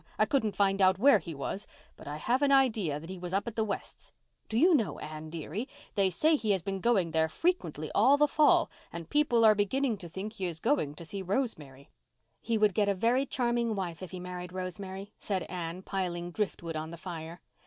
I couldn't find out where he was, but I have an idea that he was up at the Wests'. Do you know, Anne dearie, they say he has been going there frequently all the fall and people are beginning to think he is going to see Rosemary." "He would get a very charming wife if he married Rosemary," said Anne, piling driftwood on the fire.